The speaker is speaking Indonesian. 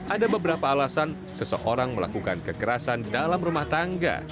ada beberapa alasan seseorang melakukan kekerasan dalam rumah tangga